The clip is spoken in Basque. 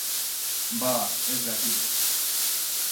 Bada, ez dakit.